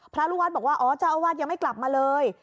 ลูกวัดบอกว่าอ๋อเจ้าอาวาสยังไม่กลับมาเลย